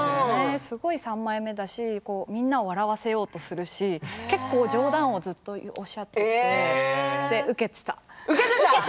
すごく三枚目だしみんなを笑わせようとするし結構、冗談をずっとおっしゃっていてウケていた。